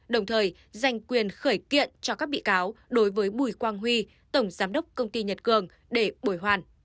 đồng thời dành quyền khởi kiện cho các bị cáo đối với bùi quang huy tổng giám đốc công ty nhật cường để bồi hoàn